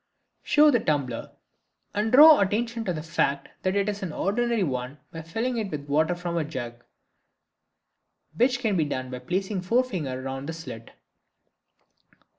Show the tumbler, and draw attention to the fact that it is an ordinary one by filling it with water from a jug, which can be done by placing the forefinger round the slit.